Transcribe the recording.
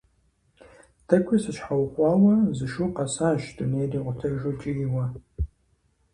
ТӀэкӀуи сыщхьэукъуауэ, зы шу къэсащ дунейр икъутэжу кӀийуэ.